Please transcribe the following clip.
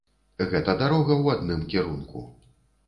Гэта дарога ў адным кірунку.